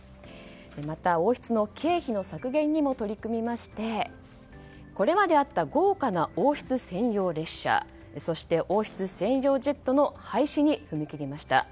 また、王室の経費の削減にも取り組みましてこれまであった豪華な王室専用列車そして王室専用ジェットの廃止に踏み切りました。